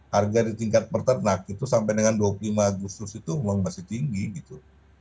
harga di tingkat peternak itu sampai dengan dua puluh lima agustus itu memang masih tinggi gitu